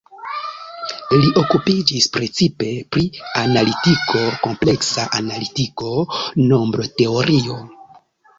Li okupiĝis precipe pri analitiko, kompleksa analitiko, nombroteorio.